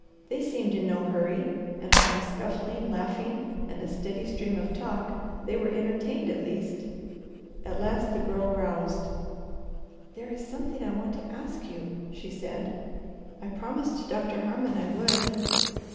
They seemed in no hurry, and from scuffling, laughing, and a steady stream of talk, they were entertained at least. At last the Girl roused. "There is something I want to ask you," she said. "I promised Doctor Harmon I would."